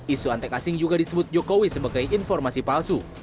isu antek asing juga disebut jokowi sebagai informasi palsu